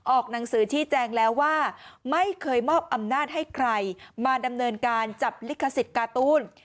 ออกหนังสือชี้แจงแล้วว่าไม่เคยมอบอำนาจให้ใครมาดำเนินการจับลิขสิทธิ์การ์ตูน